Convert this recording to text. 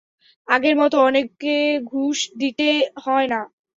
আগের মতো অনেকে ঘুষ দিতে হয় না।